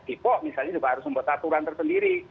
kipok misalnya juga harus membuat aturan terkendiri